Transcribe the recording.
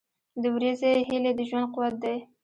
• د ورځې هیلې د ژوند قوت دی.